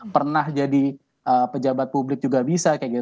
pernah jadi pejabat publik juga bisa kayak gitu